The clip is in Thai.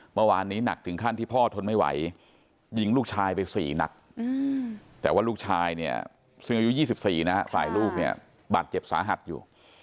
เมื่อวานนี้หนักถึงขั้นที่พ่อทนไม่ไหวยิงลูกชายไป๔นัดแต่ว่าลูกชายเนี่ยซึ่งอายุ๒๔นะฮะฝ่ายลูกเนี่ยบาดเจ็บสาหัสอยู่